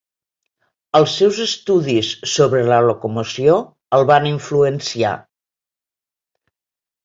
Els seus estudis sobre la locomoció el van influenciar.